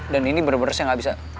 dan ini bener bener saya gak bisa